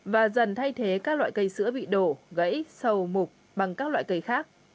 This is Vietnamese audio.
và dần thay thế các loại cây sữa bị đổ gãy sâu mục bằng các loại cây khác